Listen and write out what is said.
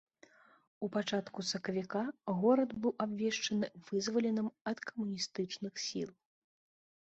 У пачатку сакавіка горад быў абвешчаны вызваленым ад камуністычных сіл.